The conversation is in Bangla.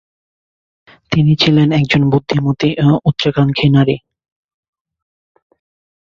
তিনি ছিলেন একজন বুদ্ধিমতী ও উচ্চাকাঙ্ক্ষী নারী।